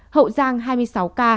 hậu giang hai mươi sáu ca